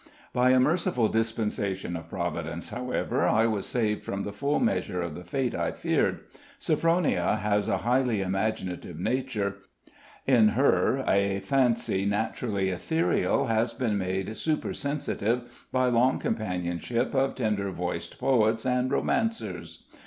By a merciful dispensation of Providence, however, I was saved from the full measure of the fate I feared. Sophronia has a highly imaginative nature; in her a fancy naturally ethereal has been made super sensitive by long companionship of tender voiced poets and romancers.